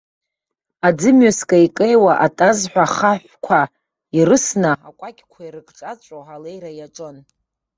Аӡымҩас кеикеиуа атазҳәа ахаҳә-қәа ирысны, акәакьқәа ирыкҿаҵәо алеира иаҿын.